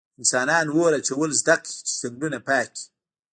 انسانان اور اچول زده کړل چې ځنګلونه پاک کړي.